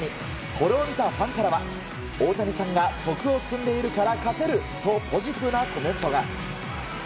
これを見たファンからは大谷さんが徳を積んでいるから勝てるとポジティブなコメントが。